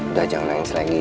udah jangan nangis lagi